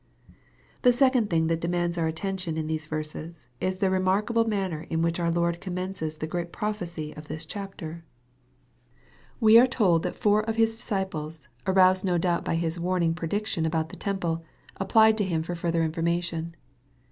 The second thing that demands our attention in these verses, is the remarkable manner in which our Lord commences the yreai prophecy of this chapter. MARK, CHAP. xm. 275 We are told that four of His disciples, aroused no doubt by His warning prediction about the temple, ap plied to Him for further information.